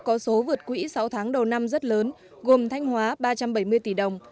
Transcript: có số vượt quỹ sáu tháng đầu năm rất lớn gồm thanh hóa ba trăm bảy mươi tỷ đồng